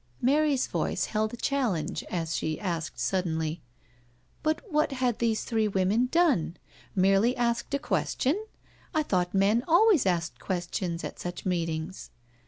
*^ Mary's voice held a challenge as she asked sud denly: " But what had these three women done? Merely asked a question? I thought men always asked ques tions at such meetings?"